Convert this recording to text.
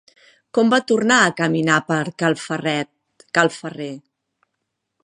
Com va tornar a caminar per cal ferrer?